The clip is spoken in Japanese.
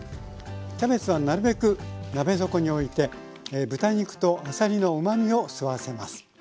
キャベツはなるべく鍋底において豚肉とあさりのうまみを吸わせます。